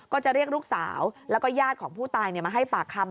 ก็จะเรียกลูกสาวแล้วก็ญาติของผู้ตายมาให้ปากคำ